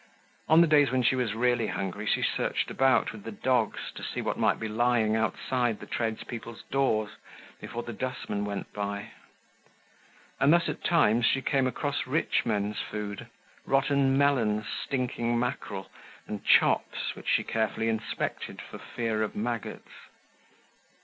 On the days when she was really hungry, she searched about with the dogs, to see what might be lying outside the tradespeople's doors before the dustmen went by; and thus at times she came across rich men's food, rotten melons, stinking mackerel and chops, which she carefully inspected for fear of maggots.